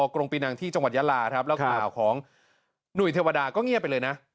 กรงปีนังที่จังหวัดยาลาครับแล้วข่าวของหนุ่ยเทวดาก็เงียบไปเลยนะ